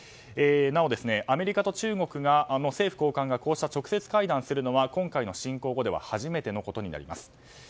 なおアメリカと中国の政府高官がこうした直接会談をするのは今回の侵攻後では初めてのことになります。